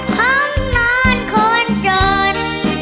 ห้องนอนคนจน